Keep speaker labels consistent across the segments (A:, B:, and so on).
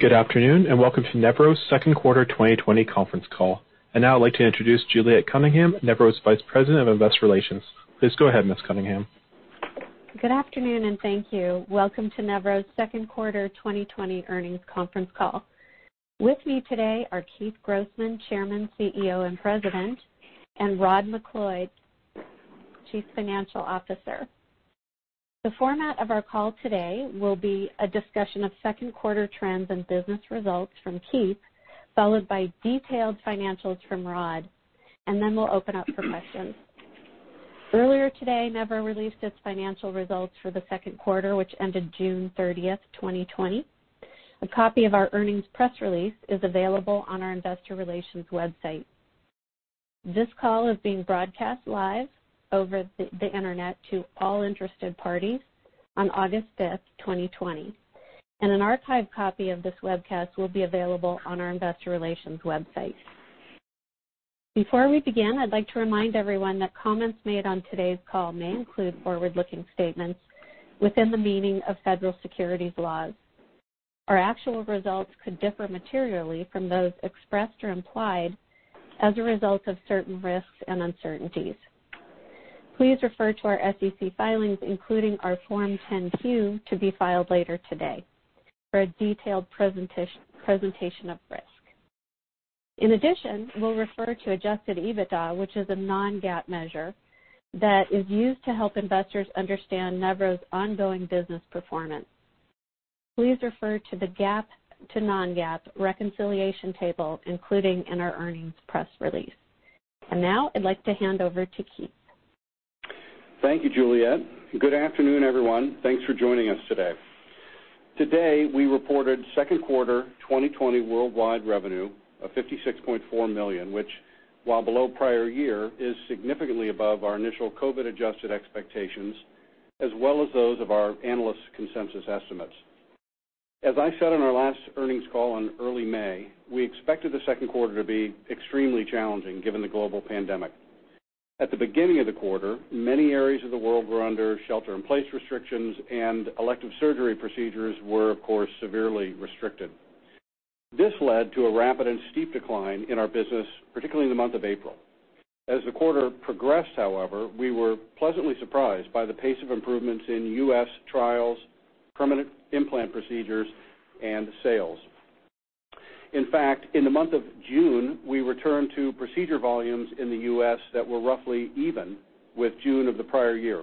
A: Good afternoon, and welcome to Nevro's second quarter 2020 conference call. Now I'd like to introduce Juliet Cunningham, Nevro's Vice President of Investor Relations. Please go ahead, Ms. Cunningham.
B: Good afternoon, and thank you. Welcome to Nevro's second quarter 2020 earnings conference call. With me today are Keith Grossman, Chairman, CEO, and President, and Rod MacLeod, Chief Financial Officer. The format of our call today will be a discussion of second-quarter trends and business results from Keith, followed by detailed financials from Rod, and then we'll open up for questions. Earlier today, Nevro released its financial results for the second quarter, which ended June 30th, 2020. A copy of our earnings press release is available on our investor relations website. This call is being broadcast live over the internet to all interested parties on August 5th, 2020, and an archived copy of this webcast will be available on our investor relations website. Before we begin, I'd like to remind everyone that comments made on today's call may include forward-looking statements within the meaning of federal securities laws. Our actual results could differ materially from those expressed or implied as a result of certain risks and uncertainties. Please refer to our SEC filings, including our Form 10-Q to be filed later today, for a detailed presentation of risk. We'll refer to adjusted EBITDA, which is a non-GAAP measure that is used to help investors understand Nevro's ongoing business performance. Please refer to the GAAP to non-GAAP reconciliation table included in our earnings press release. Now I'd like to hand over to Keith.
C: Thank you, Juliet. Good afternoon, everyone. Thanks for joining us today. Today, we reported second quarter 2020 worldwide revenue of $56.4 million, which, while below prior year, is significantly above our initial COVID adjusted expectations, as well as those of our analysts' consensus estimates. As I said on our last earnings call in early May, we expected the second quarter to be extremely challenging given the global pandemic. At the beginning of the quarter, many areas of the world were under shelter-in-place restrictions and elective surgery procedures were, of course, severely restricted. This led to a rapid and steep decline in our business, particularly in the month of April. As the quarter progressed, however, we were pleasantly surprised by the pace of improvements in U.S. trials, permanent implant procedures, and sales. In fact, in the month of June, we returned to procedure volumes in the U.S. that were roughly even with June of the prior year,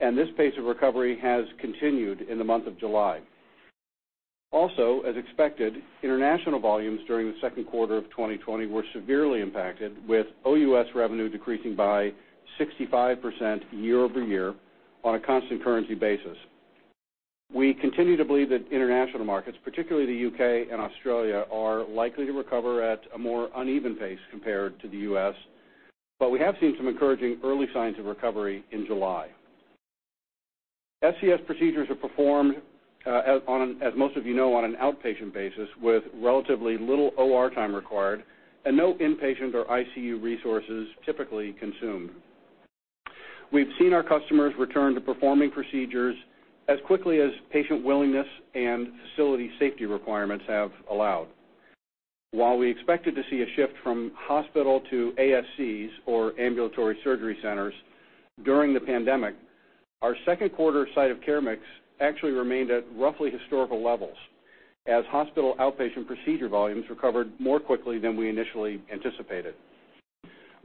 C: and this pace of recovery has continued in the month of July. As expected, international volumes during the second quarter of 2020 were severely impacted, with OUS revenue decreasing by 65% year-over-year on a constant currency basis. We continue to believe that international markets, particularly the U.K. and Australia, are likely to recover at a more uneven pace compared to the U.S., but we have seen some encouraging early signs of recovery in July. SCS procedures are performed, as most of you know, on an outpatient basis with relatively little OR time required and no inpatient or ICU resources typically consumed. We've seen our customers return to performing procedures as quickly as patient willingness and facility safety requirements have allowed. While we expected to see a shift from hospital to ASCs, or ambulatory surgery centers, during the pandemic, our second quarter site of care mix actually remained at roughly historical levels as hospital outpatient procedure volumes recovered more quickly than we initially anticipated.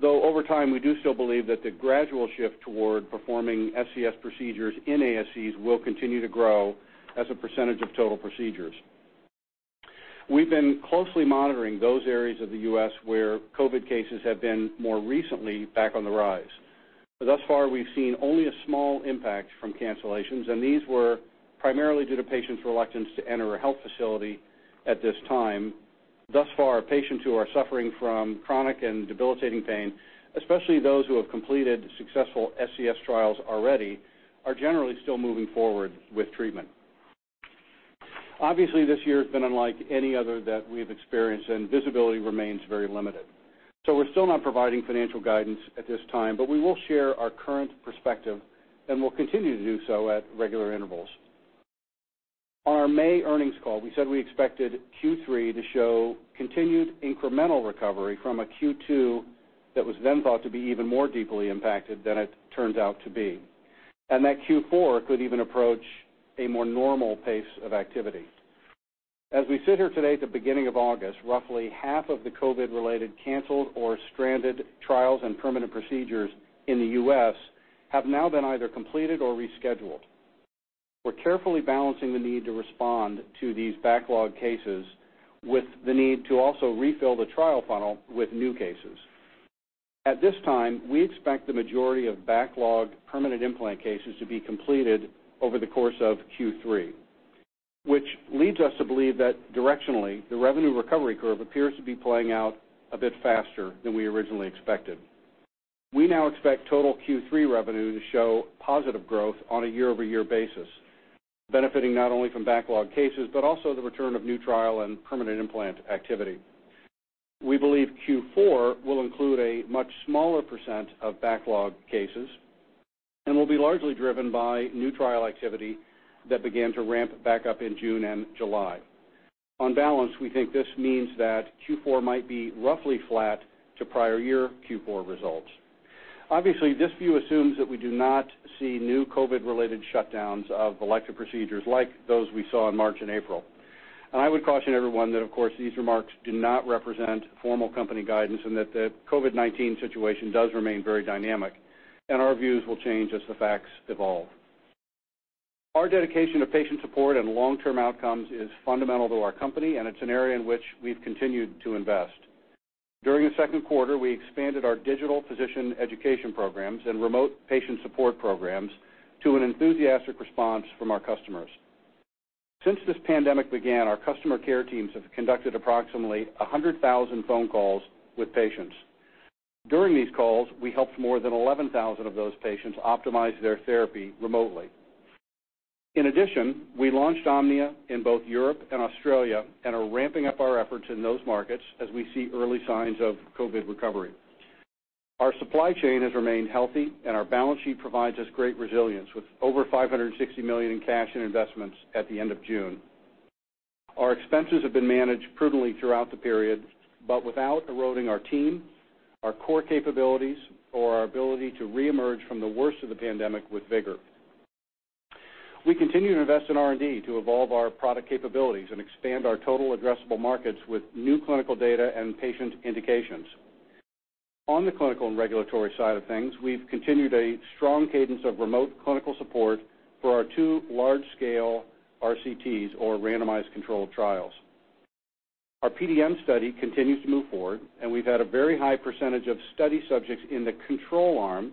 C: Over time, we do still believe that the gradual shift toward performing SCS procedures in ASCs will continue to grow as a percentage of total procedures. We've been closely monitoring those areas of the U.S. where COVID cases have been more recently back on the rise. Thus far, we've seen only a small impact from cancellations, and these were primarily due to patients' reluctance to enter a health facility at this time. Thus far, patients who are suffering from chronic and debilitating pain, especially those who have completed successful SCS trials already, are generally still moving forward with treatment. Obviously, this year has been unlike any other that we've experienced, and visibility remains very limited. We're still not providing financial guidance at this time, but we will share our current perspective and will continue to do so at regular intervals. On our May earnings call, we said we expected Q3 to show continued incremental recovery from a Q2 that was then thought to be even more deeply impacted than it turned out to be, and that Q4 could even approach a more normal pace of activity. As we sit here today at the beginning of August, roughly half of the COVID-19 related canceled or stranded trials and permanent procedures in the U.S. have now been either completed or rescheduled. We're carefully balancing the need to respond to these backlog cases with the need to also refill the trial funnel with new cases. At this time, we expect the majority of backlogged permanent implant cases to be completed over the course of Q3, which leads us to believe that directionally, the revenue recovery curve appears to be playing out a bit faster than we originally expected. We now expect total Q3 revenue to show positive growth on a year-over-year basis, benefiting not only from backlog cases, but also the return of new trial and permanent implant activity. We believe Q4 will include a much smaller percent of backlog cases and will be largely driven by new trial activity that began to ramp back up in June and July. On balance, we think this means that Q4 might be roughly flat to prior year Q4 results. Obviously, this view assumes that we do not see new COVID-19-related shutdowns of elective procedures like those we saw in March and April. I would caution everyone that, of course, these remarks do not represent formal company guidance and that the COVID-19 situation does remain very dynamic, and our views will change as the facts evolve. Our dedication to patient support and long-term outcomes is fundamental to our company, and it's an area in which we've continued to invest. During the second quarter, we expanded our digital physician education programs and remote patient support programs to an enthusiastic response from our customers. Since this pandemic began, our customer care teams have conducted approximately 100,000 phone calls with patients. During these calls, we helped more than 11,000 of those patients optimize their therapy remotely. In addition, we launched Omnia in both Europe and Australia and are ramping up our efforts in those markets as we see early signs of COVID recovery. Our supply chain has remained healthy, our balance sheet provides us great resilience, with over $560 million in cash and investments at the end of June. Our expenses have been managed prudently throughout the period, without eroding our team, our core capabilities, or our ability to reemerge from the worst of the pandemic with vigor. We continue to invest in R&D to evolve our product capabilities and expand our total addressable markets with new clinical data and patient indications. On the clinical and regulatory side of things, we've continued a strong cadence of remote clinical support for our two large-scale RCTs or Randomized Controlled Trials. Our PDN study continues to move forward. We've had a very high percentage of study subjects in the control arm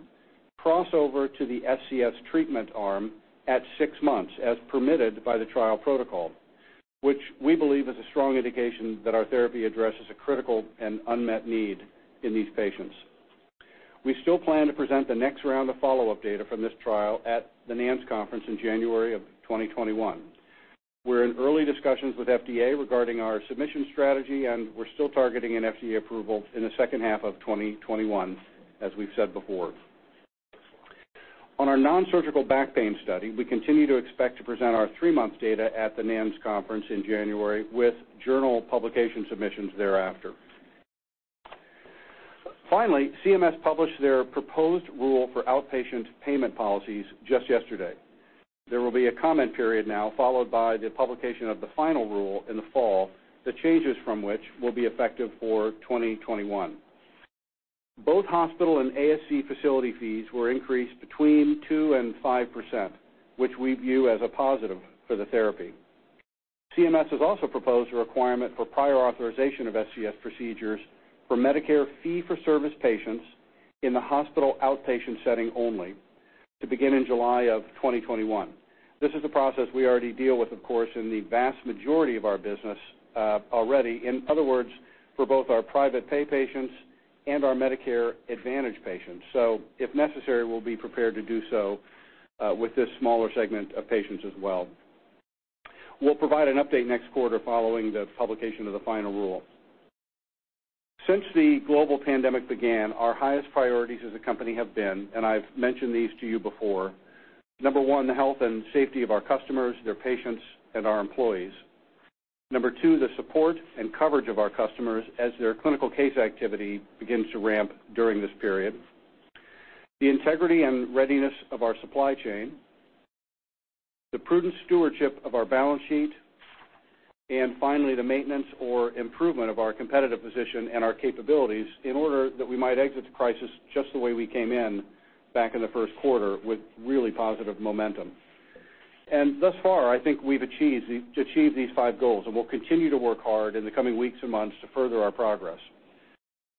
C: cross over to the SCS treatment arm at six months, as permitted by the trial protocol, which we believe is a strong indication that our therapy addresses a critical and unmet need in these patients. We still plan to present the next round of follow-up data from this trial at the NANS conference in January of 2021. We're in early discussions with FDA regarding our submission strategy. We're still targeting an FDA approval in the second half of 2021 as we've said before. On our nonsurgical back pain study, we continue to expect to present our 3-month data at the NANS conference in January with journal publication submissions thereafter. Finally, CMS published their proposed rule for outpatient payment policies just yesterday. There will be a comment period now followed by the publication of the final rule in the fall, the changes from which will be effective for 2021. Both hospital and ASCs facility fees were increased between 2%-5%, which we view as a positive for the therapy. CMS has also proposed a requirement for prior authorization of SCS procedures for Medicare fee-for-service patients in the hospital outpatient setting only to begin in July of 2021. This is a process we already deal with, of course, in the vast majority of our business already. In other words, for both our private pay patients and our Medicare Advantage patients. If necessary, we'll be prepared to do so with this smaller segment of patients as well. We'll provide an update next quarter following the publication of the final rule. Since the global pandemic began, our highest priorities as a company have been, and I've mentioned these to you before, number one, the health and safety of our customers, their patients, and our employees. Number two, the support and coverage of our customers as their clinical case activity begins to ramp during this period. The integrity and readiness of our supply chain. The prudent stewardship of our balance sheet. Finally, the maintenance or improvement of our competitive position and our capabilities in order that we might exit the crisis just the way we came in, back in the first quarter, with really positive momentum. Thus far, I think we've achieved these five goals, and we'll continue to work hard in the coming weeks and months to further our progress.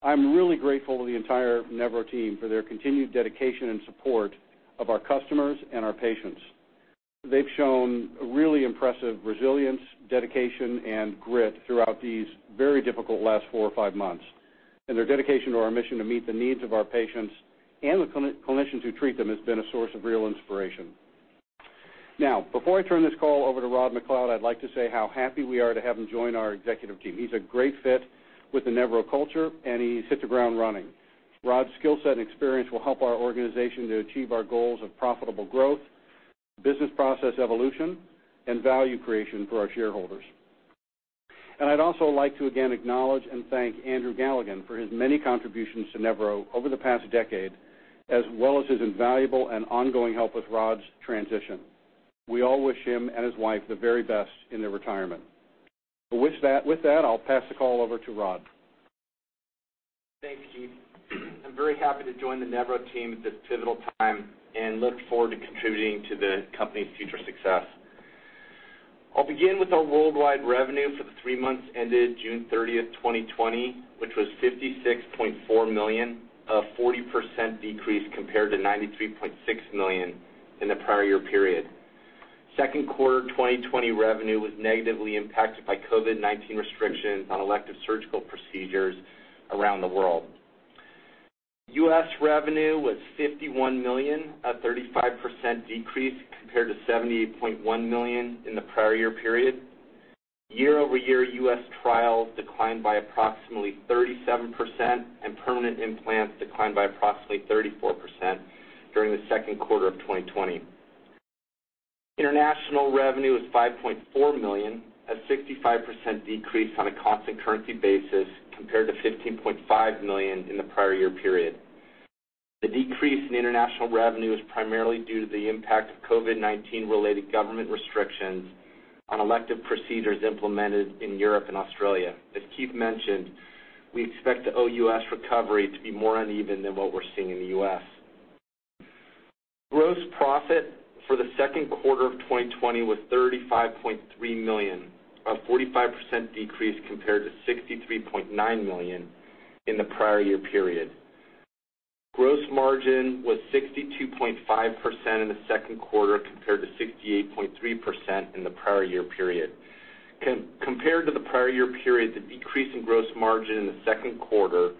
C: I'm really grateful to the entire Nevro team for their continued dedication and support of our customers and our patients. They've shown really impressive resilience, dedication, and grit throughout these very difficult last four or five months. Their dedication to our mission to meet the needs of our patients and the clinicians who treat them has been a source of real inspiration. Now, before I turn this call over to Rod MacLeod, I'd like to say how happy we are to have him join our executive team. He's a great fit with the Nevro culture, and he's hit the ground running. Rod's skill set and experience will help our organization to achieve our goals of profitable growth, business process evolution, and value creation for our shareholders. I'd also like to again acknowledge and thank Andrew Galligan for his many contributions to Nevro over the past decade, as well as his invaluable and ongoing help with Rod's transition. We all wish him and his wife the very best in their retirement. With that, I'll pass the call over to Rod.
D: Thanks, Keith. I'm very happy to join the Nevro team at this pivotal time and look forward to contributing to the company's future success. I'll begin with our worldwide revenue for the three months ended June 30th, 2020, which was $56.4 million, a 40% decrease compared to $93.6 million in the prior year period. Second quarter 2020 revenue was negatively impacted by COVID-19 restrictions on elective surgical procedures around the world. U.S. revenue was $51 million, a 35% decrease compared to $78.1 million in the prior year period. Year-over-year, U.S. trials declined by approximately 37%, and permanent implants declined by approximately 34% during the second quarter of 2020. International revenue was $5.4 million, a 65% decrease on a constant currency basis compared to $15.5 million in the prior year period. The decrease in international revenue is primarily due to the impact of COVID-19-related government restrictions on elective procedures implemented in Europe and Australia. As Keith mentioned, we expect the OUS recovery to be more uneven than what we're seeing in the U.S. Gross profit for the second quarter of 2020 was $35.3 million, a 45% decrease compared to $63.9 million in the prior year period. Gross margin was 62.5% in the second quarter, compared to 68.3% in the prior year period. Compared to the prior year period, the decrease in gross margin in the second quarter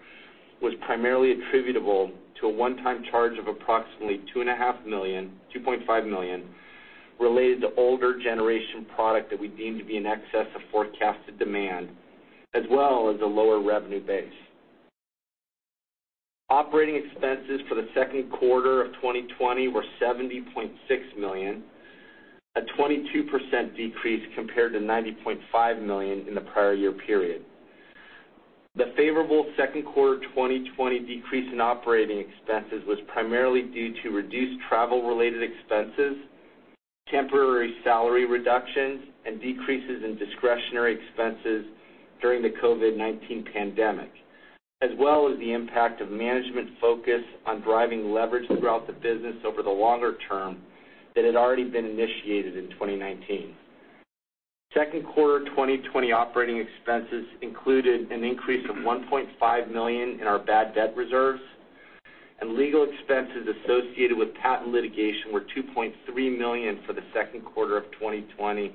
D: was primarily attributable to a one-time charge of approximately $2.5 million related to older generation product that we deemed to be in excess of forecasted demand, as well as a lower revenue base. Operating expenses for the second quarter of 2020 were $70.6 million, a 22% decrease compared to $90.5 million in the prior year period. The favorable second quarter 2020 decrease in operating expenses was primarily due to reduced travel-related expenses, temporary salary reductions, and decreases in discretionary expenses during the COVID-19 pandemic, as well as the impact of management focus on driving leverage throughout the business over the longer term that had already been initiated in 2019. Second quarter 2020 operating expenses included an increase of $1.5 million in our bad debt reserves, and legal expenses associated with patent litigation were $2.3 million for the second quarter of 2020,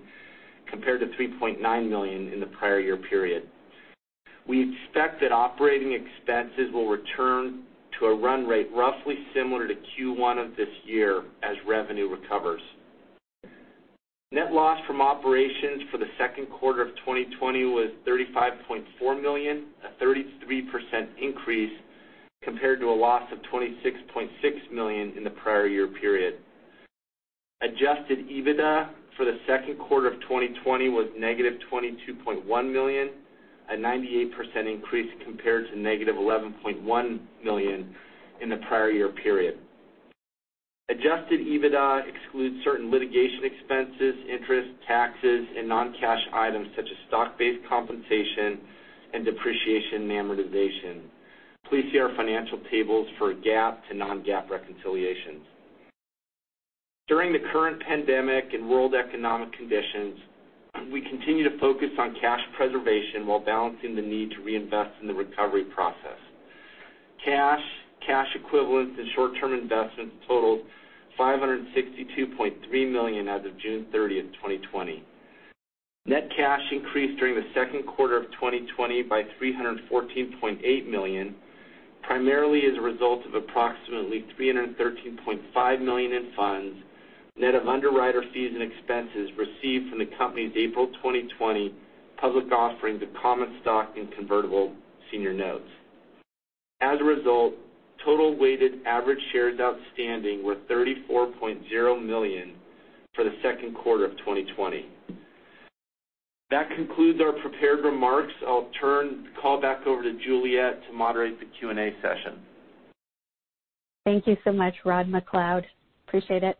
D: compared to $3.9 million in the prior year period. We expect that operating expenses will return to a run rate roughly similar to Q1 of this year as revenue recovers. Net loss from operations for the second quarter of 2020 was $35.4 million, a 33% increase compared to a loss of $26.6 million in the prior year period. Adjusted EBITDA for the second quarter of 2020 was negative $22.1 million, a 98% increase compared to negative $11.1 million in the prior year period. Adjusted EBITDA excludes certain litigation expenses, interest, taxes, and non-cash items such as stock-based compensation and depreciation and amortization. Please see our financial tables for GAAP to non-GAAP reconciliations. During the current pandemic and world economic conditions, we continue to focus on cash preservation while balancing the need to reinvest in the recovery process. Cash, cash equivalents, and short-term investments totaled $562.3 million as of June 30th, 2020. Net cash increased during the second quarter of 2020 by $314.8 million, primarily as a result of approximately $313.5 million in funds, net of underwriter fees and expenses received from the company's April 2020 public offering to common stock and convertible senior notes. As a result, total weighted average shares outstanding were 34.0 million for the second quarter of 2020. That concludes our prepared remarks. I'll turn the call back over to Juliet to moderate the Q&A session.
B: Thank you so much, Rod MacLeod. Appreciate it.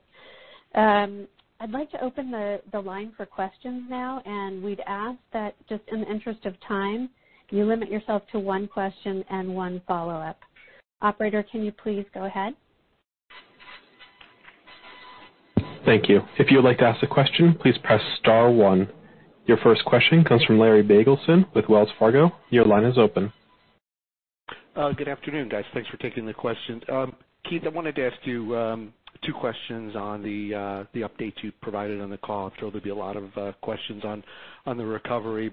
B: I'd like to open the line for questions now. We'd ask that just in the interest of time, you limit yourself to one question and one follow-up. Operator, can you please go ahead?
A: Thank you. If you would like to ask a question, please press star one. Your first question comes from Larry Biegelsen with Wells Fargo. Your line is open.
E: Good afternoon, guys. Thanks for taking the question. Keith, I wanted to ask you two questions on the update you provided on the call. I'm sure there'll be a lot of questions on the recovery.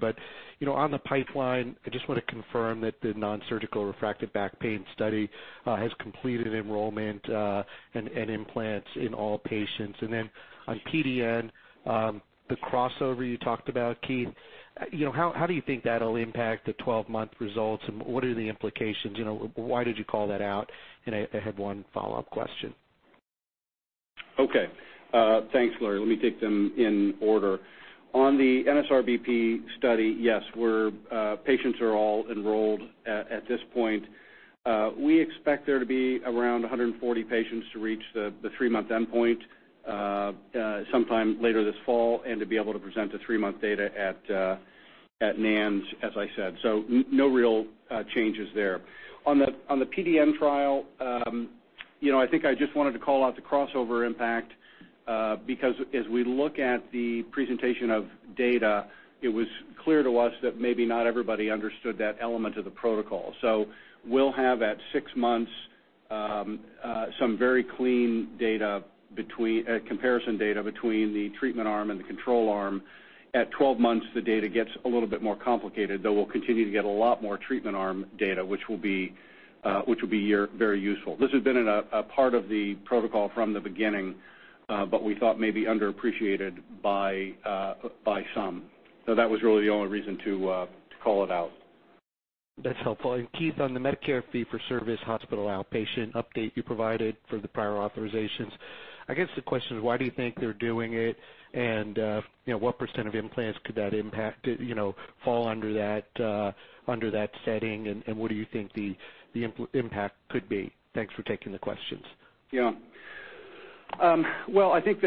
E: On the pipeline, I just want to confirm that the nonsurgical refractory back pain study has completed enrollment and implants in all patients. On PDN, the crossover you talked about, Keith, how do you think that'll impact the 12-month results, and what are the implications? Why did you call that out? I have one follow-up question.
C: Thanks, Larry. Let me take them in order. On the NSRBP study, yes, patients are all enrolled at this point. We expect there to be around 140 patients to reach the three-month endpoint sometime later this fall and to be able to present the three-month data at NANS, as I said. No real changes there. On the PDN trial, I think I just wanted to call out the crossover impact because as we look at the presentation of data, it was clear to us that maybe not everybody understood that element of the protocol. We'll have, at six months, some very clean comparison data between the treatment arm and the control arm. At 12 months, the data gets a little bit more complicated, though we'll continue to get a lot more treatment arm data, which will be very useful. This has been a part of the protocol from the beginning. We thought maybe underappreciated by some. That was really the only reason to call it out.
E: That's helpful. Keith, on the Medicare fee-for-service hospital outpatient update you provided for the prior authorizations, I guess the question is, why do you think they're doing it? What % of implants could that impact fall under that setting, and what do you think the impact could be? Thanks for taking the questions.
C: Well, I think,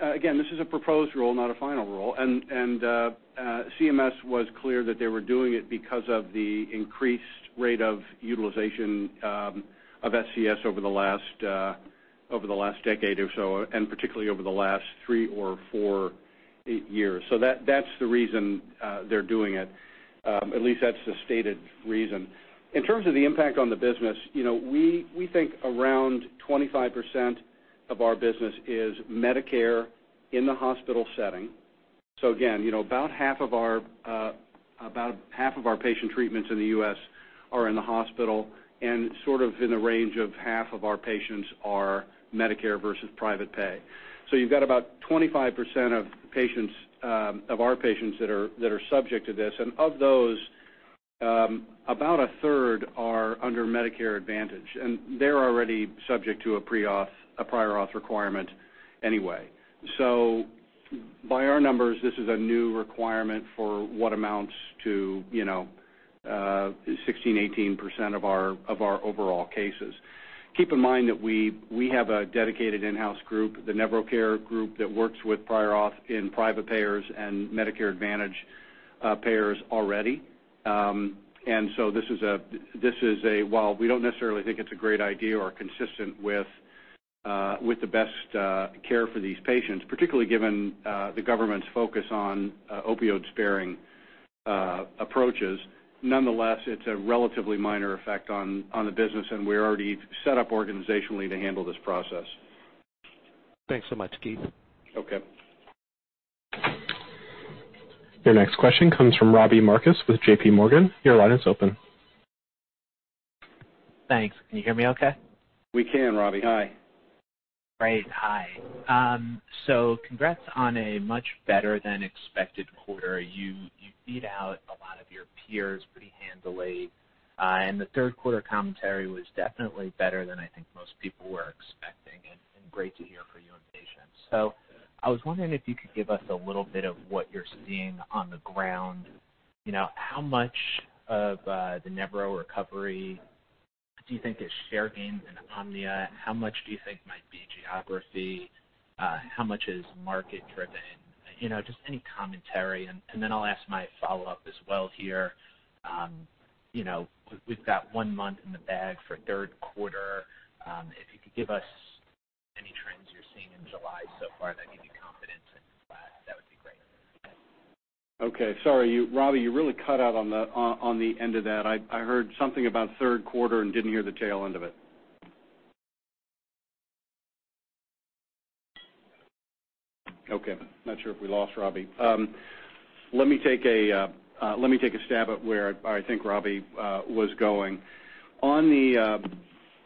C: again, this is a proposed rule, not a final rule. CMS was clear that they were doing it because of the increased rate of utilization of SCS over the last decade or so, and particularly over the last three or four years. That's the reason they're doing it. At least that's the stated reason. In terms of the impact on the business, we think around 25% of our business is Medicare in the hospital setting. Again, about half of our patient treatments in the U.S. are in the hospital, and sort of in the range of half of our patients are Medicare versus private pay. You've got about 25% of our patients that are subject to this, and of those, about a third are under Medicare Advantage. They're already subject to a prior auth requirement anyway. By our numbers, this is a new requirement for what amounts to 16%-18% of our overall cases. Keep in mind that we have a dedicated in-house group, the Nevro Care Team, that works with prior auth in private payers and Medicare Advantage payers already. While we don't necessarily think it's a great idea or consistent with the best care for these patients, particularly given the government's focus on opioid-sparing approaches, nonetheless, it's a relatively minor effect on the business, and we're already set up organizationally to handle this process.
E: Thanks so much, Keith.
C: Okay.
A: Your next question comes from Robbie Marcus with JPMorgan. Your line is open.
F: Thanks. Can you hear me okay?
C: We can, Robbie. Hi.
F: Great. Hi. Congrats on a much better than expected quarter. You beat out a lot of your peers pretty handily. The third quarter commentary was definitely better than I think most people were expecting, and great to hear for you and patients. I was wondering if you could give us a little bit of what you're seeing on the ground. How much of the Nevro recovery do you think is share gains in Omnia? How much do you think might be geography? How much is market-driven? Just any commentary. Then I'll ask my follow-up as well here. We've got one month in the bag for third quarter. If you could give us any trends you're seeing in July so far that give you confidence, that would be great. Yeah.
C: Okay. Sorry, Robbie, you really cut out on the end of that. I heard something about third quarter and didn't hear the tail end of it. Not sure if we lost Robbie. Let me take a stab at where I think Robbie was going.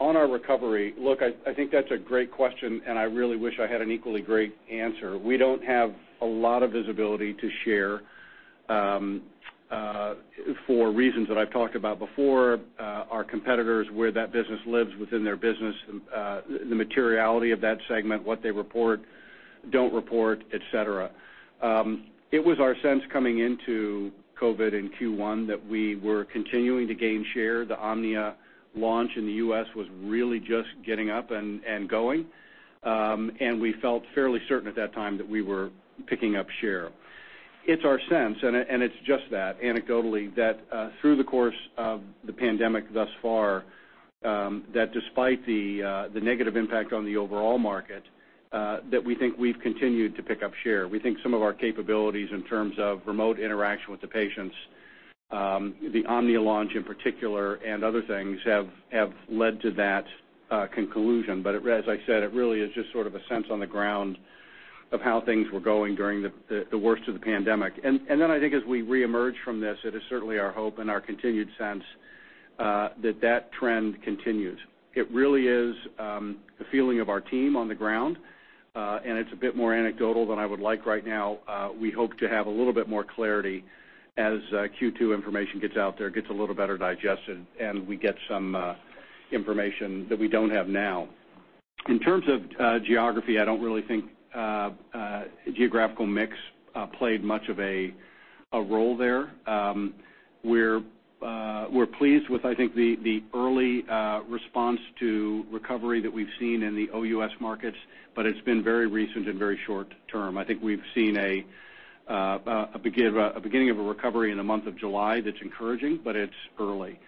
C: On our recovery, look, I think that's a great question, and I really wish I had an equally great answer. We don't have a lot of visibility to share for reasons that I've talked about before. Our competitors, where that business lives within their business, the materiality of that segment, what they report, don't report, et cetera. It was our sense coming into COVID in Q1 that we were continuing to gain share. The Omnia launch in the U.S. was really just getting up and going. We felt fairly certain at that time that we were picking up share. It's our sense, and it's just that, anecdotally, that through the course of the pandemic thus far, that despite the negative impact on the overall market, that we think we've continued to pick up share. We think some of our capabilities in terms of remote interaction with the patients, the Omnia launch in particular, and other things, have led to that conclusion. As I said, it really is just sort of a sense on the ground of how things were going during the worst of the pandemic. I think as we reemerge from this, it is certainly our hope and our continued sense that that trend continues. It really is the feeling of our team on the ground, and it's a bit more anecdotal than I would like right now. We hope to have a little bit more clarity as Q2 information gets out there, gets a little better digested, and we get some information that we don't have now. In terms of geography, I don't really think geographical mix played much of a role there. We're pleased with, I think, the early response to recovery that we've seen in the OUS markets, but it's been very recent and very short-term. I think we've seen a beginning of a recovery in the month of July that's encouraging, but it's early.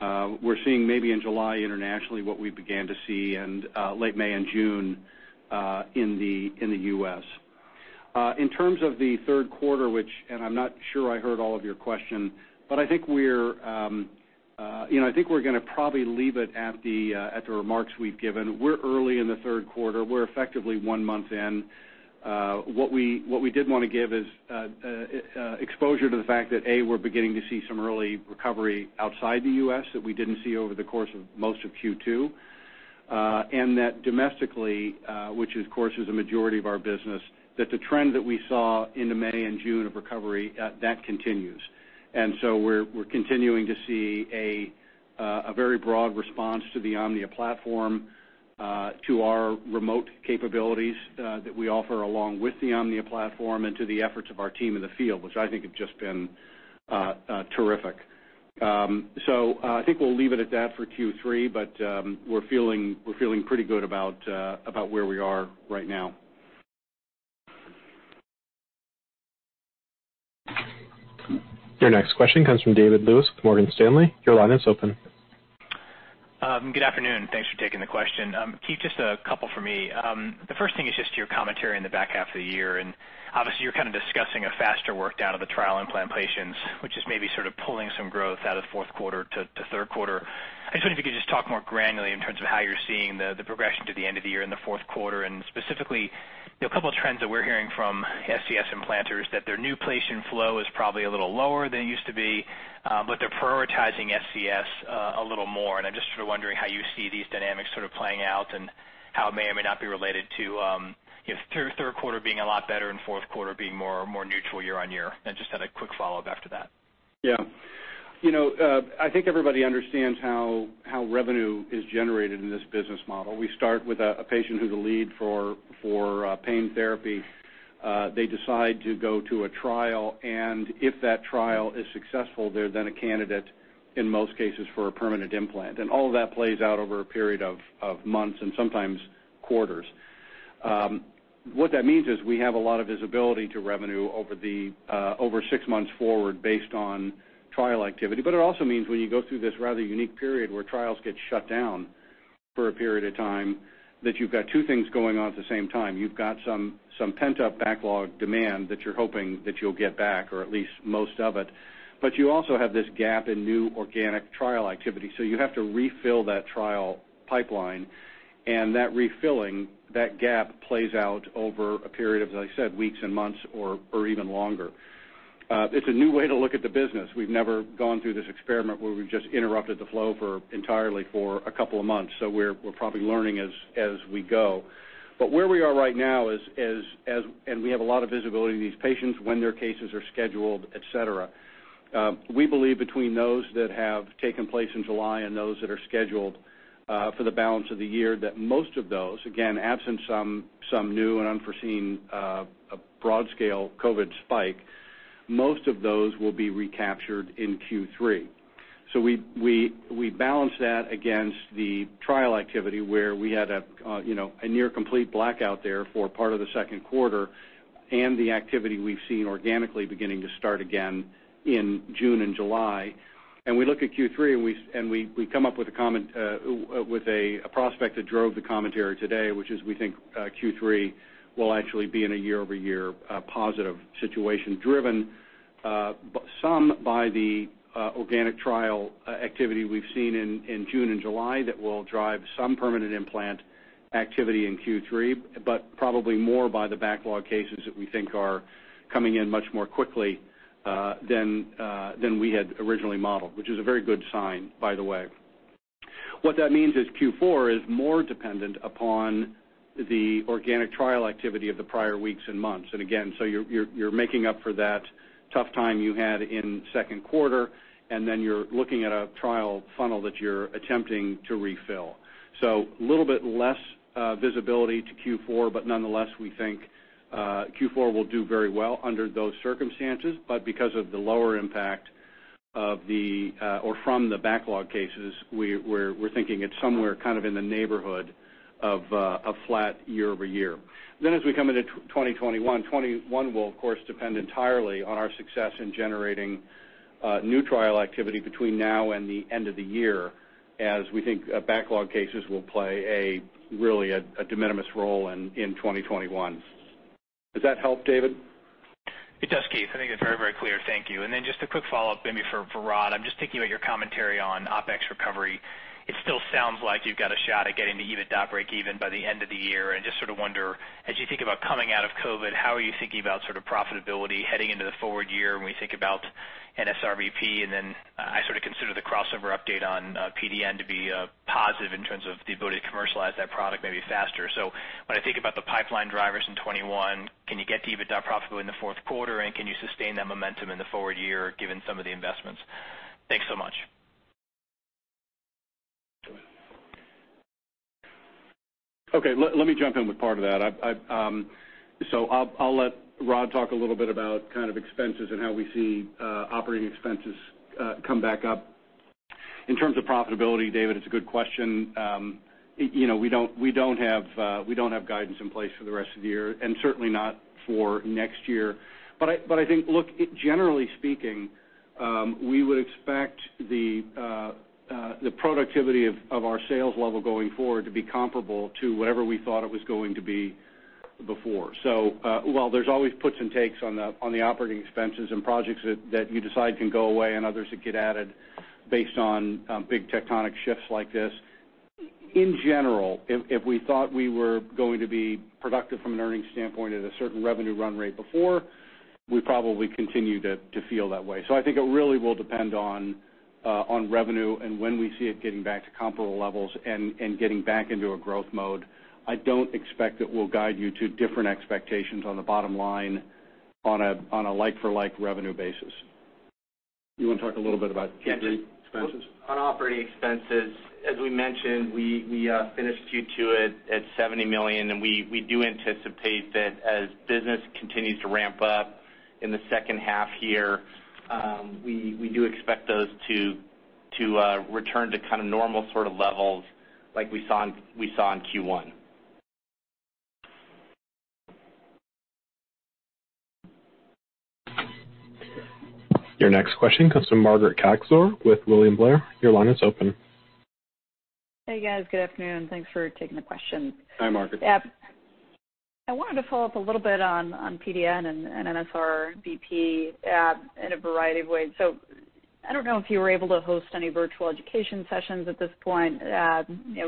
C: We're seeing maybe in July internationally what we began to see in late May and June in the U.S. In terms of the third quarter, and I'm not sure I heard all of your question, but I think we're going to probably leave it at the remarks we've given. We're early in the third quarter. We're effectively one month in. What we did want to give is exposure to the fact that, A, we're beginning to see some early recovery outside the U.S. that we didn't see over the course of most of Q2. That domestically, which of course is a majority of our business, that the trend that we saw into May and June of recovery, that continues. We're continuing to see a very broad response to the Omnia platform, to our remote capabilities that we offer along with the Omnia platform, and to the efforts of our team in the field, which I think have just been terrific. I think we'll leave it at that for Q3, but we're feeling pretty good about where we are right now.
A: Your next question comes from David Lewis with Morgan Stanley. Your line is open.
G: Good afternoon. Thanks for taking the question. Keith, just a couple for me. Obviously you're kind of discussing a faster work down of the trial implant patients, which is maybe sort of pulling some growth out of fourth quarter to third quarter. I just wonder if you could just talk more granularly in terms of how you're seeing the progression to the end of the year in the fourth quarter and specifically, a couple of trends that we're hearing from SCS implanters, that their new patient flow is probably a little lower than it used to be, but they're prioritizing SCS a little more. I'm just sort of wondering how you see these dynamics sort of playing out and how it may or may not be related to third quarter being a lot better and fourth quarter being more neutral year-on-year. Just had a quick follow-up after that.
C: Yeah. I think everybody understands how revenue is generated in this business model. We start with a patient who's a lead for pain therapy. They decide to go to a trial, and if that trial is successful, they're then a candidate, in most cases, for a permanent implant. All of that plays out over a period of months and sometimes quarters. What that means is we have a lot of visibility to revenue over six months forward based on trial activity. It also means when you go through this rather unique period where trials get shut down for a period of time, that you've got two things going on at the same time. You've got some pent-up backlog demand that you're hoping that you'll get back, or at least most of it, but you also have this gap in new organic trial activity. You have to refill that trial pipeline, and that refilling, that gap plays out over a period of, as I said, weeks and months or even longer. It's a new way to look at the business. We've never gone through this experiment where we've just interrupted the flow entirely for a couple of months, so we're probably learning as we go. Where we are right now is, and we have a lot of visibility in these patients when their cases are scheduled, et cetera. We believe between those that have taken place in July and those that are scheduled for the balance of the year, that most of those, again, absent some new and unforeseen broad-scale COVID spike, most of those will be recaptured in Q3. We balance that against the trial activity where we had a near complete blackout there for part of the second quarter, and the activity we've seen organically beginning to start again in June and July. We look at Q3, and we come up with a prospect that drove the commentary today, which is we think Q3 will actually be in a year-over-year positive situation driven, some by the organic trial activity we've seen in June and July that will drive some permanent implant activity in Q3, but probably more by the backlog cases that we think are coming in much more quickly than we had originally modeled, which is a very good sign, by the way. That means Q4 is more dependent upon the organic trial activity of the prior weeks and months. Again, so you're making up for that tough time you had in the second quarter, and then you're looking at a trial funnel that you're attempting to refill. A little bit less visibility to Q4, but nonetheless, we think Q4 will do very well under those circumstances. Because of the lower impact from the backlog cases, we're thinking it's somewhere kind of in the neighborhood of flat year-over-year. As we come into 2021 will, of course, depend entirely on our success in generating new trial activity between now and the end of the year, as we think backlog cases will play really a de minimis role in 2021. Does that help, David?
G: It does, Keith. I think it's very clear. Thank you. Just a quick follow-up maybe for Rod. I'm just thinking about your commentary on OpEx recovery. It still sounds like you've got a shot at getting to EBITDA breakeven by the end of the year and just sort of wonder, as you think about coming out of COVID-19, how are you thinking about sort of profitability heading into the forward year when we think about NSRBP? I sort of consider the crossover update on PDN to be positive in terms of the ability to commercialize that product maybe faster. When I think about the pipeline drivers in 2021, can you get to EBITDA profit growth in the fourth quarter, and can you sustain that momentum in the forward year given some of the investments? Thanks so much.
C: Okay. Let me jump in with part of that. I'll let Rod talk a little bit about kind of expenses and how we see operating expenses come back up. In terms of profitability, David, it's a good question. We don't have guidance in place for the rest of the year and certainly not for next year. I think, look, generally speaking, we would expect the productivity of our sales level going forward to be comparable to whatever we thought it was going to be before. While there's always puts and takes on the operating expenses and projects that you decide can go away and others that get added based on big tectonic shifts like this, in general, if we thought we were going to be productive from an earnings standpoint at a certain revenue run rate before. We probably continue to feel that way. I think it really will depend on revenue and when we see it getting back to comparable levels and getting back into a growth mode. I don't expect that we'll guide you to different expectations on the bottom line on a like-for-like revenue basis. You want to talk a little bit about Q2 expenses?
D: On operating expenses, as we mentioned, we finished Q2 at $70 million, and we do anticipate that as business continues to ramp up in the second half year, we do expect those to return to normal sort of levels like we saw in Q1.
A: Your next question comes from Margaret Kaczor with William Blair. Your line is open.
H: Hey, guys. Good afternoon. Thanks for taking the question.
C: Hi, Margaret.
H: I wanted to follow up a little bit on PDN and NSRBP in a variety of ways. I don't know if you were able to host any virtual education sessions at this point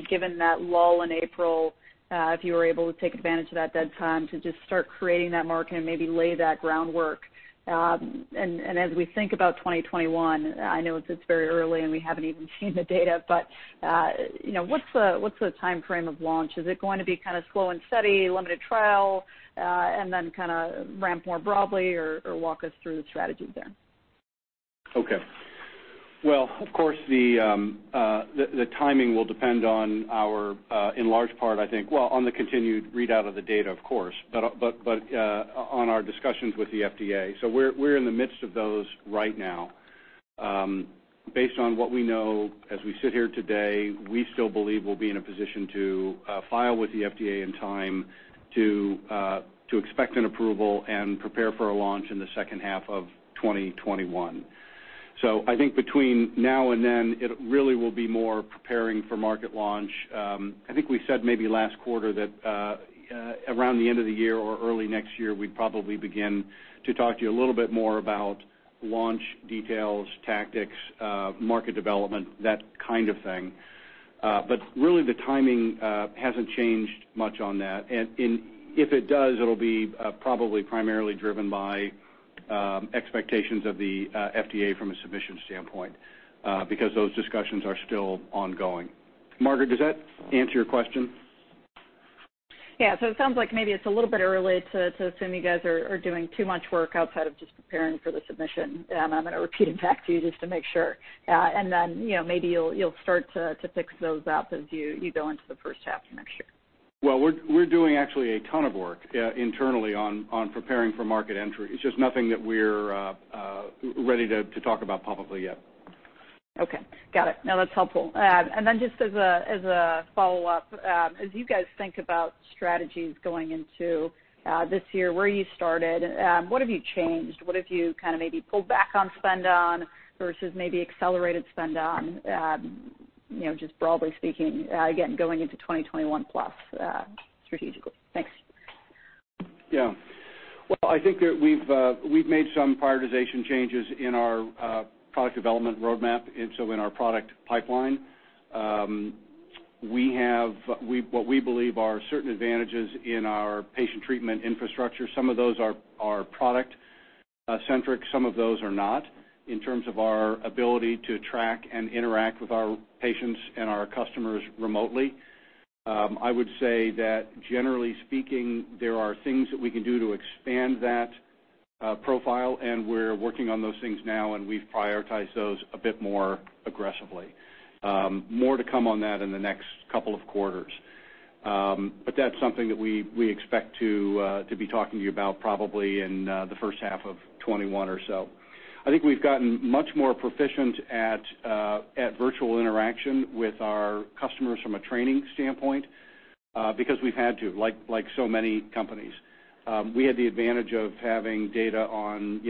H: given that lull in April, if you were able to take advantage of that dead time to just start creating that market and maybe lay that groundwork. As we think about 2021, I know it's very early and we haven't even seen the data, but what's the timeframe of launch? Is it going to be slow and steady, limited trial, and then ramp more broadly, or walk us through the strategy there.
C: Okay. Well, of course, the timing will depend on our, in large part, I think, well, on the continued readout of the data, of course, but on our discussions with the FDA. We're in the midst of those right now. Based on what we know as we sit here today, we still believe we'll be in a position to file with the FDA in time to expect an approval and prepare for a launch in the second half of 2021. I think between now and then, it really will be more preparing for market launch. I think we said maybe last quarter that around the end of the year or early next year, we'd probably begin to talk to you a little bit more about launch details, tactics, market development, that kind of thing. Really the timing hasn't changed much on that. If it does, it'll be probably primarily driven by expectations of the FDA from a submission standpoint, because those discussions are still ongoing. Margaret, does that answer your question?
H: Yeah. It sounds like maybe it's a little bit early to assume you guys are doing too much work outside of just preparing for the submission. I'm going to repeat it back to you just to make sure. Maybe you'll start to fix those out as you go into the first half of next year.
C: Well, we're doing actually a ton of work internally on preparing for market entry. It's just nothing that we're ready to talk about publicly yet.
H: Okay. Got it. No, that's helpful. Just as a follow-up, as you guys think about strategies going into this year, where you started, what have you changed? What have you maybe pulled back on spend on versus maybe accelerated spend on, just broadly speaking, again, going into 2021 plus strategically? Thanks.
C: Well, I think that we've made some prioritization changes in our product development roadmap, and so in our product pipeline. We have what we believe are certain advantages in our patient treatment infrastructure. Some of those are product-centric, some of those are not, in terms of our ability to track and interact with our patients and our customers remotely. I would say that generally speaking, there are things that we can do to expand that profile, and we're working on those things now, and we've prioritized those a bit more aggressively. More to come on that in the next couple of quarters. But that's something that we expect to be talking to you about probably in the first half of 2021 or so. I think we've gotten much more proficient at virtual interaction with our customers from a training standpoint because we've had to, like so many companies. We had the advantage of having data on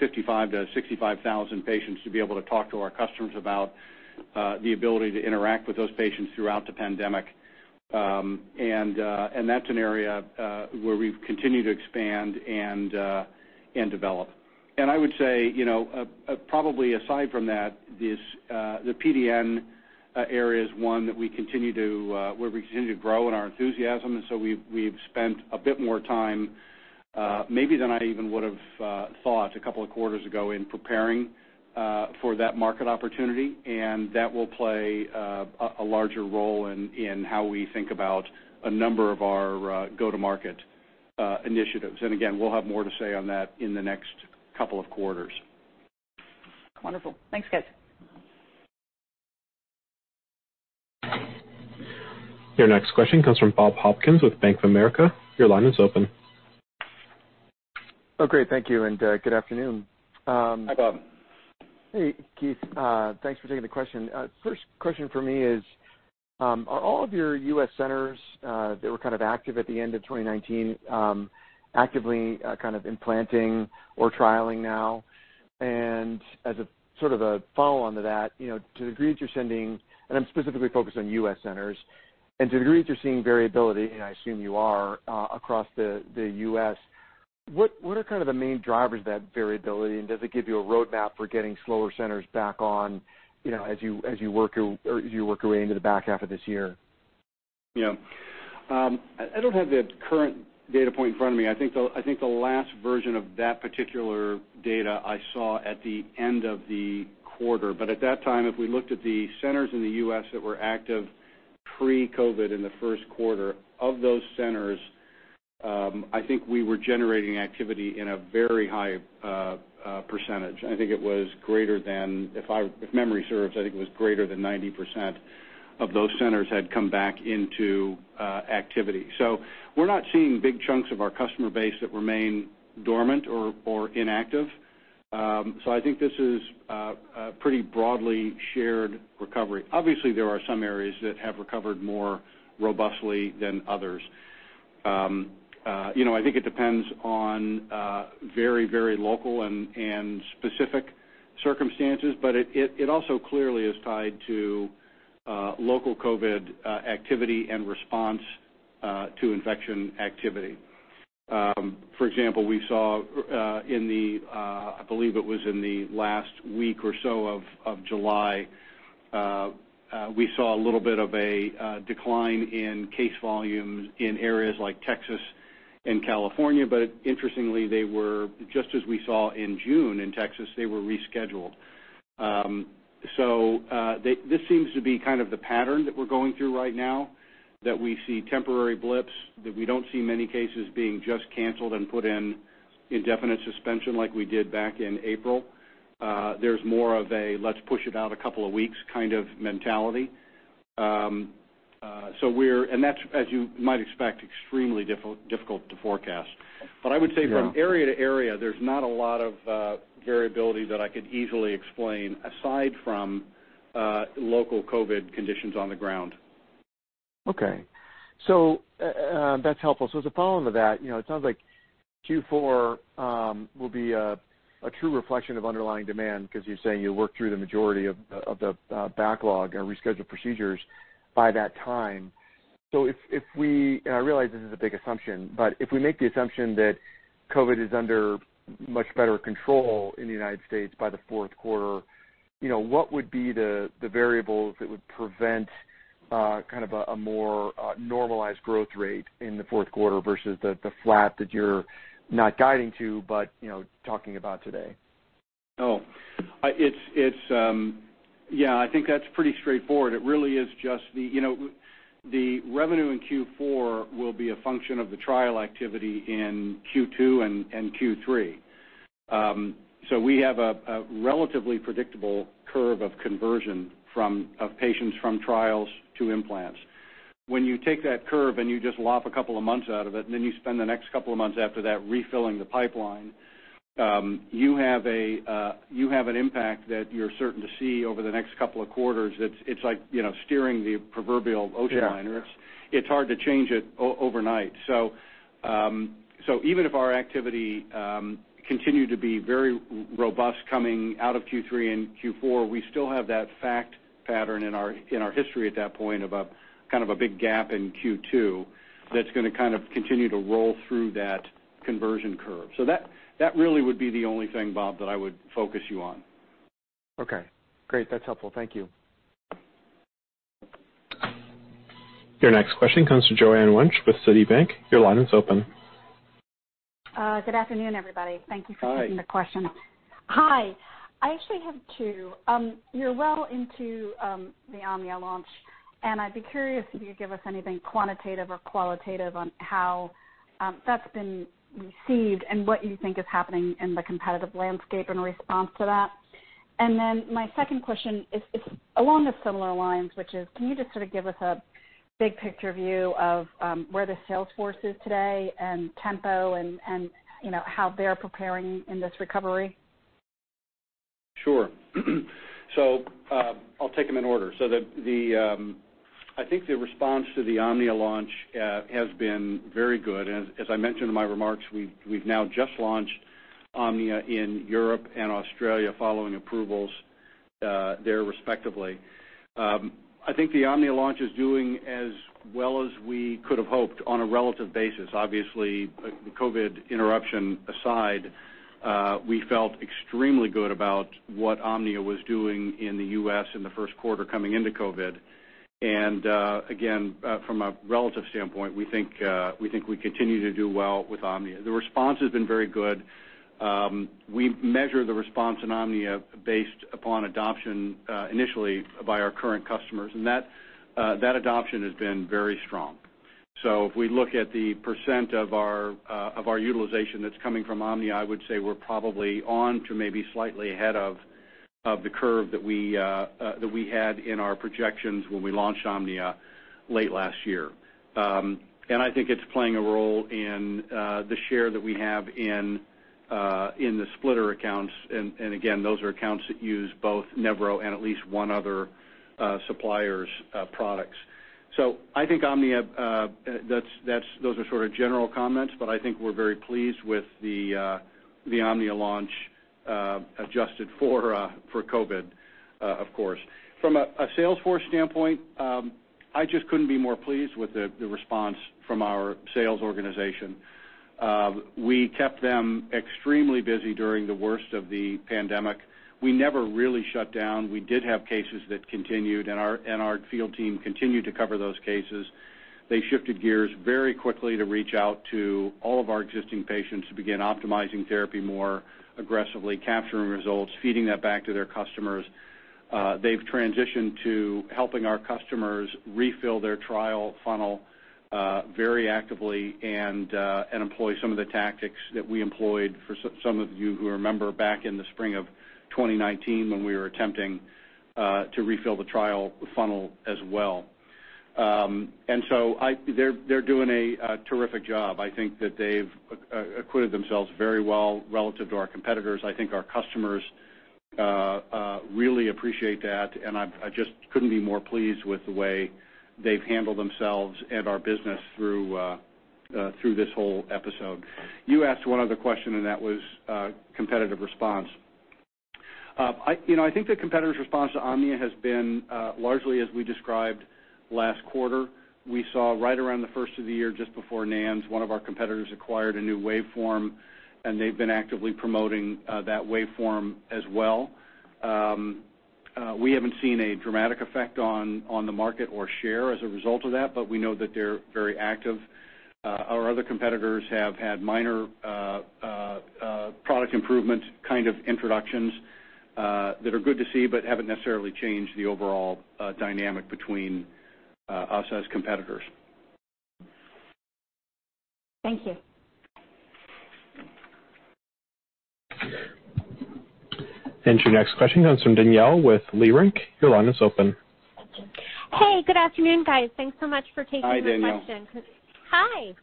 C: 55,000 to 65,000 patients to be able to talk to our customers about the ability to interact with those patients throughout the pandemic, and that's an area where we've continued to expand and develop. I would say, probably aside from that, the PDN area is one where we continue to grow in our enthusiasm, and so we've spent a bit more time, maybe than I even would have thought a couple of quarters ago, in preparing for that market opportunity, and that will play a larger role in how we think about a number of our go-to-market initiatives. Again, we'll have more to say on that in the next couple of quarters.
H: Wonderful. Thanks, guys.
A: Your next question comes from Bob Hopkins with Bank of America. Your line is open.
I: Oh, great. Thank you, and good afternoon.
C: Hi, Bob.
I: Hey, Keith. Thanks for taking the question. First question for me is, are all of your U.S. centers that were active at the end of 2019 actively implanting or trialing now? As a follow-on to that, to the degree that you're sending, and I'm specifically focused on U.S. centers, and to the degree that you're seeing variability, and I assume you are, across the U.S., what are the main drivers of that variability, and does it give you a roadmap for getting slower centers back on as you work your way into the back half of this year?
C: Yeah. I don't have the current data point in front of me. I think the last version of that particular data I saw at the end of the quarter. At that time, if we looked at the centers in the U.S. that were active pre-COVID in the first quarter, of those centers, I think we were generating activity in a very high percentage. If memory serves, I think it was greater than 90% of those centers had come back into activity. We're not seeing big chunks of our customer base that remain dormant or inactive. I think this is a pretty broadly shared recovery. Obviously, there are some areas that have recovered more robustly than others. I think it depends on very local and specific circumstances, but it also clearly is tied to local COVID activity and response to infection activity. For example, I believe it was in the last week or so of July, we saw a little bit of a decline in case volumes in areas like Texas and California. Interestingly, just as we saw in June in Texas, they were rescheduled. This seems to be kind of the pattern that we're going through right now, that we see temporary blips, that we don't see many cases being just canceled and put in indefinite suspension like we did back in April. There's more of a let's push it out a couple of weeks kind of mentality. That's, as you might expect, extremely difficult to forecast. I would say from area to area, there's not a lot of variability that I could easily explain aside from local COVID conditions on the ground.
I: Okay. That's helpful. As a follow-on to that, it sounds like Q4 will be a true reflection of underlying demand because you're saying you'll work through the majority of the backlog or reschedule procedures by that time. I realize this is a big assumption, but if we make the assumption that COVID is under much better control in the United States by the fourth quarter, what would be the variables that would prevent kind of a more normalized growth rate in the fourth quarter versus the flat that you're not guiding to but talking about today?
C: Oh. Yeah, I think that's pretty straightforward. It really is just the revenue in Q4 will be a function of the trial activity in Q2 and Q3. We have a relatively predictable curve of conversion of patients from trials to implants. When you take that curve and you just lop a couple of months out of it, and then you spend the next couple of months after that refilling the pipeline, you have an impact that you're certain to see over the next couple of quarters that it's like steering the proverbial ocean liner.
I: Yeah.
C: It's hard to change it overnight. Even if our activity continued to be very robust coming out of Q3 and Q4, we still have that fact pattern in our history at that point of kind of a big gap in Q2 that's going to kind of continue to roll through that conversion curve. That really would be the only thing, Bob, that I would focus you on.
I: Okay, great. That's helpful. Thank you.
A: Your next question comes from Joanne Wuensch with Citigroup. Your line is open.
J: Good afternoon, everybody. Thank you for taking the question.
C: Hi.
J: Hi. I actually have two. You're well into the Omnia launch, and I'd be curious if you could give us anything quantitative or qualitative on how that's been received and what you think is happening in the competitive landscape in response to that. My second question is along the similar lines, which is, can you just sort of give us a big picture view of where the sales force is today and tempo and how they're preparing in this recovery?
C: Sure. I'll take them in order. I think the response to the Omnia launch has been very good, and as I mentioned in my remarks, we've now just launched Omnia in Europe and Australia following approvals there, respectively. I think the Omnia launch is doing as well as we could have hoped on a relative basis. Obviously, the COVID-19 interruption aside, we felt extremely good about what Omnia was doing in the U.S. in the first quarter coming into COVID-19. Again, from a relative standpoint, we think we continue to do well with Omnia. The response has been very good. We measure the response in Omnia based upon adoption initially by our current customers, and that adoption has been very strong. If we look at the percent of our utilization that's coming from Omnia, I would say we're probably on to maybe slightly ahead of the curve that we had in our projections when we launched Omnia late last year. I think it's playing a role in the share that we have in the splitter accounts, and again, those are accounts that use both Nevro and at least one other supplier's products. I think those are sort of general comments, but I think we're very pleased with the Omnia launch adjusted for COVID, of course. From a sales force standpoint, I just couldn't be more pleased with the response from our sales organization. We kept them extremely busy during the worst of the pandemic. We never really shut down. We did have cases that continued, and our field team continued to cover those cases. They shifted gears very quickly to reach out to all of our existing patients to begin optimizing therapy more aggressively, capturing results, feeding that back to their customers. They've transitioned to helping our customers refill their trial funnel very actively and employ some of the tactics that we employed for some of you who remember back in the spring of 2019 when we were attempting to refill the trial funnel as well. They're doing a terrific job. I think that they've acquitted themselves very well relative to our competitors. I think our customers really appreciate that, and I just couldn't be more pleased with the way they've handled themselves and our business through this whole episode. You asked one other question and that was competitive response. I think the competitor's response to Omnia has been largely as we described last quarter. We saw right around the first of the year, just before NANS, one of our competitors acquired a new waveform, and they've been actively promoting that waveform as well. We haven't seen a dramatic effect on the market or share as a result of that, but we know that they're very active. Our other competitors have had minor product improvement kind of introductions that are good to see, but haven't necessarily changed the overall dynamic between us as competitors.
J: Thank you.
A: Your next question comes from Danielle with Leerink. Your line is open.
K: Hey, good afternoon, guys. Thanks so much for taking my question.
C: Hi, Danielle.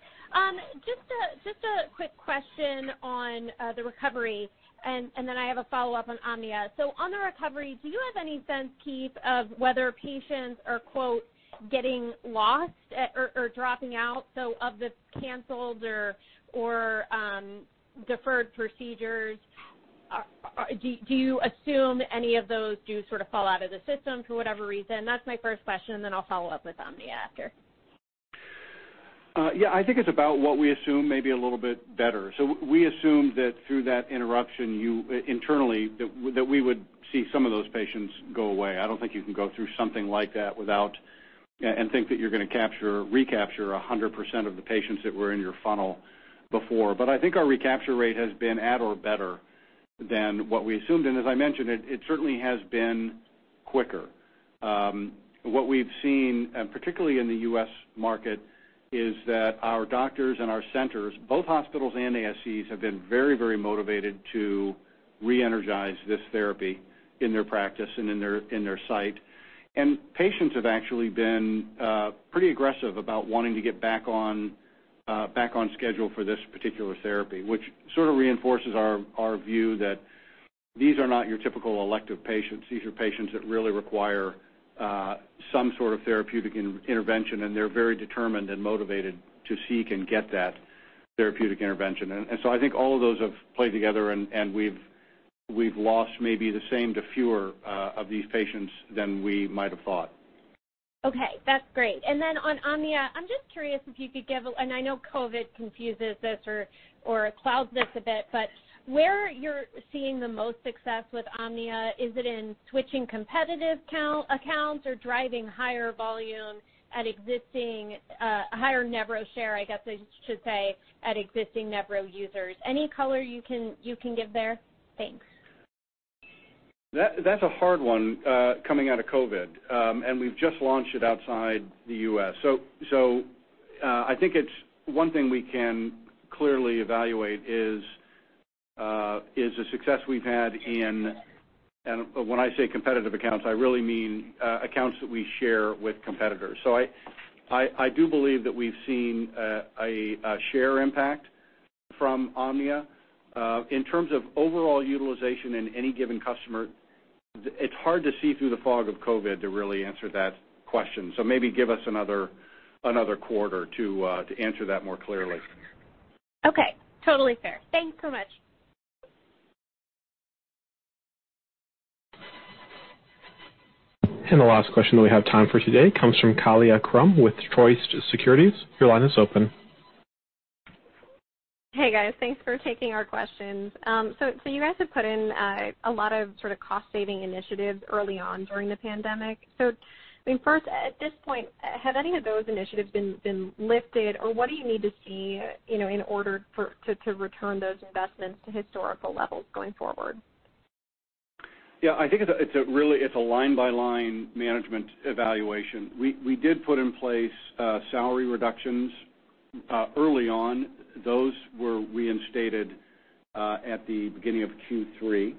K: Hi. Just a quick question on the recovery, then I have a follow-up on Omnia. On the recovery, do you have any sense, Keith, of whether patients are, quote, "getting lost" or dropping out of the canceled or deferred procedures? Do you assume any of those do sort of fall out of the system for whatever reason? That's my first question, then I'll follow up with Omnia after.
C: I think it's about what we assume, maybe a little bit better. We assumed that through that interruption internally, that we would see some of those patients go away. I don't think you can go through something like that and think that you're going to recapture 100% of the patients that were in your funnel before. I think our recapture rate has been at or better than what we assumed. As I mentioned, it certainly has been quicker. What we've seen, particularly in the U.S. market, is that our doctors and our centers, both hospitals and ASCs, have been very, very motivated to re-energize this therapy in their practice and in their site. Patients have actually been pretty aggressive about wanting to get back on schedule for this particular therapy, which sort of reinforces our view that these are not your typical elective patients. These are patients that really require some sort of therapeutic intervention, and they're very determined and motivated to seek and get that therapeutic intervention. I think all of those have played together, and we've lost maybe the same to fewer of these patients than we might have thought.
K: Okay, that's great. Then on Omnia, I'm just curious if you could give, and I know COVID confuses us or clouds this a bit, but where you're seeing the most success with Omnia, is it in switching competitive accounts or driving higher volume at existing higher Nevro share, I guess I should say, at existing Nevro users? Any color you can give there? Thanks.
C: That's a hard one coming out of COVID, and we've just launched it outside the U.S. I think it's one thing we can clearly evaluate is the success we've had when I say competitive accounts, I really mean accounts that we share with competitors. I do believe that we've seen a share impact from Omnia. In terms of overall utilization in any given customer, it's hard to see through the fog of COVID to really answer that question. Maybe give us another quarter to answer that more clearly.
K: Okay, totally fair. Thanks so much.
A: The last question that we have time for today comes from Kaila Krum with Truist Securities. Your line is open.
L: Hey, guys. Thanks for taking our questions. You guys have put in a lot of sort of cost saving initiatives early on during the pandemic. I mean, first, at this point, have any of those initiatives been lifted? What do you need to see in order to return those investments to historical levels going forward?
C: I think it's a line-by-line management evaluation. We did put in place salary reductions early on. Those were reinstated at the beginning of Q3.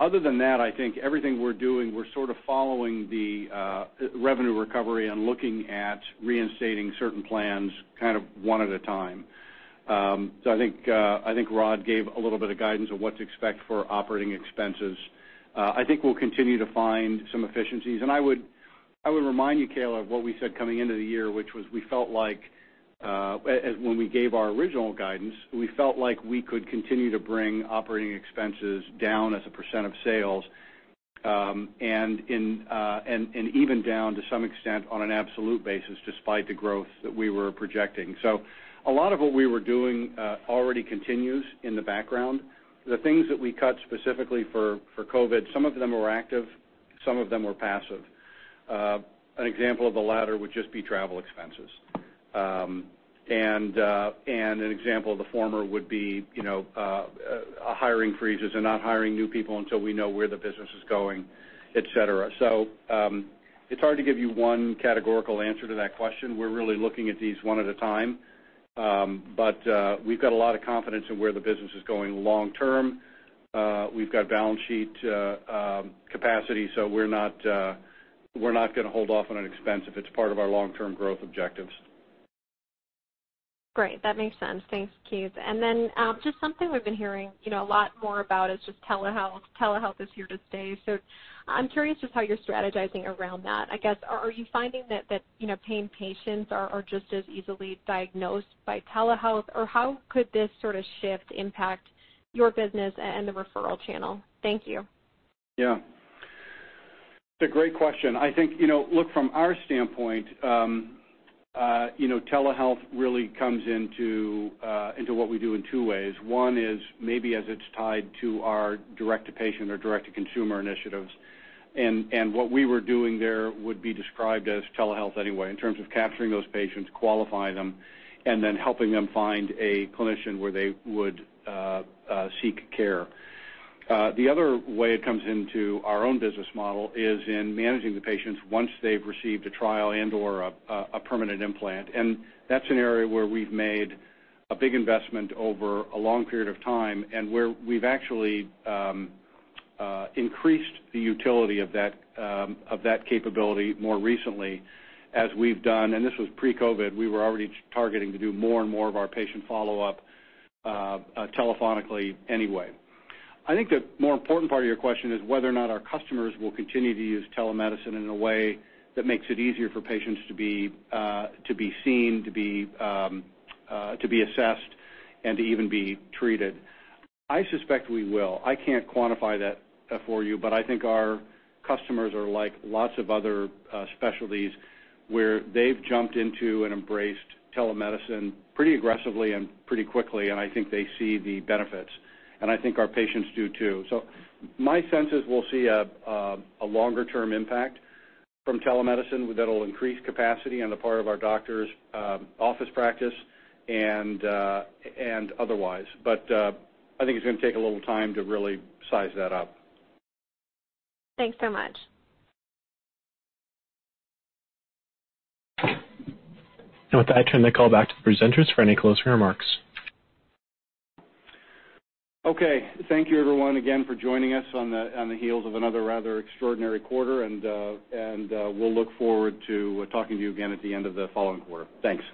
C: Other than that, I think everything we're doing, we're sort of following the revenue recovery and looking at reinstating certain plans kind of one at a time. I think Rod gave a little bit of guidance on what to expect for operating expenses. I think we'll continue to find some efficiencies. I would remind you, Kaila, of what we said coming into the year, which was we felt like when we gave our original guidance, we felt like we could continue to bring operating expenses down as a percent of sales, and even down to some extent on an absolute basis, despite the growth that we were projecting. A lot of what we were doing already continues in the background. The things that we cut specifically for COVID, some of them were active, some of them were passive. An example of the latter would just be travel expenses. An example of the former would be hiring freezes and not hiring new people until we know where the business is going, et cetera. It's hard to give you one categorical answer to that question. We're really looking at these one at a time. We've got a lot of confidence in where the business is going long term. We've got balance sheet capacity. We're not going to hold off on an expense if it's part of our long-term growth objectives.
L: Great. That makes sense. Thanks, Keith. Just something we've been hearing a lot more about is just telehealth. Telehealth is here to stay. I'm curious just how you're strategizing around that. I guess, are you finding that pain patients are just as easily diagnosed by telehealth, or how could this sort of shift impact your business and the referral channel? Thank you.
C: Yeah. It's a great question. I think, look, from our standpoint, telehealth really comes into what we do in two ways. One is maybe as it's tied to our direct-to-patient or direct-to-consumer initiatives, and what we were doing there would be described as telehealth anyway, in terms of capturing those patients, qualifying them, and then helping them find a clinician where they would seek care. The other way it comes into our own business model is in managing the patients once they've received a trial and/or a permanent implant. That's an area where we've made a big investment over a long period of time, and where we've actually increased the utility of that capability more recently as we've done, and this was pre-COVID, we were already targeting to do more and more of our patient follow-up telephonically anyway. I think the more important part of your question is whether or not our customers will continue to use telemedicine in a way that makes it easier for patients to be seen, to be assessed, and to even be treated. I suspect we will. I can't quantify that for you, I think our customers are like lots of other specialties, where they've jumped into and embraced telemedicine pretty aggressively and pretty quickly, and I think they see the benefits, and I think our patients do, too. My sense is we'll see a longer-term impact from telemedicine that'll increase capacity on the part of our doctors' office practice and otherwise. I think it's going to take a little time to really size that up.
L: Thanks so much.
A: With that, I turn the call back to the presenters for any closing remarks.
C: Okay. Thank you everyone again for joining us on the heels of another rather extraordinary quarter, and we'll look forward to talking to you again at the end of the following quarter. Thanks.